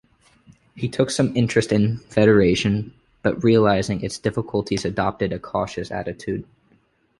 He took some interest in federation, but realizing its difficulties adopted a cautious attitude.